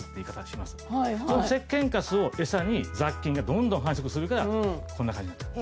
そのせっけんカスをエサに雑菌がどんどん繁殖するからこんな感じになっちゃう。